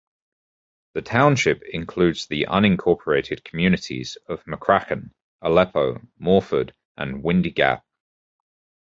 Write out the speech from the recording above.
The township includes the unincorporated communities of McCracken, Aleppo, Morford, and Windy Gap.